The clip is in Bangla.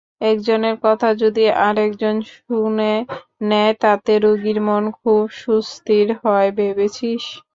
একজনের কথা যদি আর-একজন শুনে নেয় তাতে রোগীর মন খুব সুস্থির হয় ভেবেছিস?